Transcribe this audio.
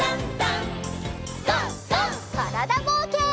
からだぼうけん。